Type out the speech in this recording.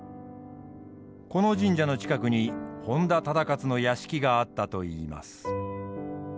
この神社の近くに本多忠勝の屋敷があったといいます。